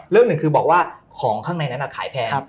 หนึ่งคือบอกว่าของข้างในนั้นขายแพง